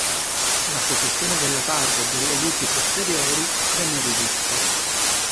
La posizione della targa e delle luci posteriori venne rivista.